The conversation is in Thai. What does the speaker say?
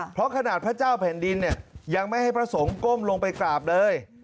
เพราะขนาดพระเจ้าแผ่นดินเนี่ยยังไม่ให้พระสงฆ์ก้มลงไปกราบเลย